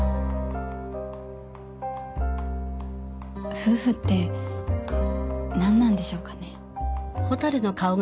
夫婦って何なんでしょうかね。